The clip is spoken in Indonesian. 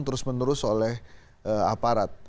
terus menerus oleh aparat